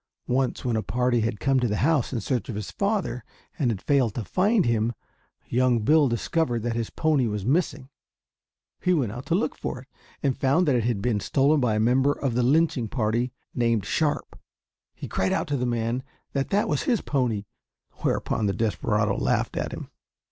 Once when a party had come to the house in search of his father and had failed to find him, young Bill discovered that his pony was missing. He went out to look for it, and found that it had been stolen by a member of the lynching party named Sharp. He cried out to the man that that was his pony; whereupon the desperado laughed at him.